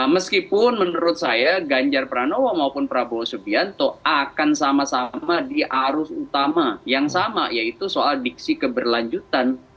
meskipun menurut saya ganjar pranowo maupun prabowo subianto akan sama sama di arus utama yang sama yaitu soal diksi keberlanjutan